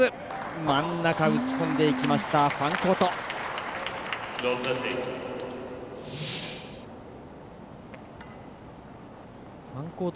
真ん中に打ち込んでいったファンコート。